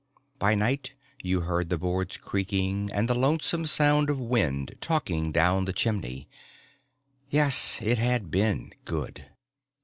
By night you heard the boards creaking and the lonesome sound of wind talking down the chimney. Yes, it had been good.